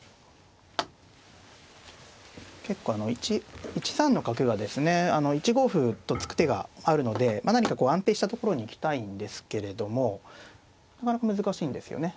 結構あの１三の角がですね１五歩と突く手があるので何かこう安定したところに行きたいんですけれどもなかなか難しいんですよね。